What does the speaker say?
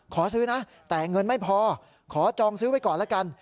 ขอซื้อนะแต่เงินไม่พอขอจองซื้อไว้ก่อนแล้วกัน